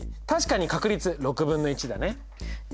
確かに確率６分の１だね。